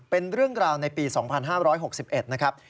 เป็นเรื่องราวในปี๒๕๖๑นะครับ